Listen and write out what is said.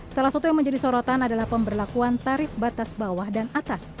salah satu yang menjadi sorotan adalah pemberlakuan tarif batas bawah dan atas